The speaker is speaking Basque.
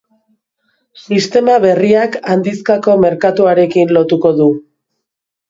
Sistema berriak handizkako merkatuarekin lotuko du.